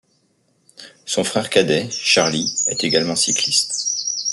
Son frère cadet Charlie est également cycliste.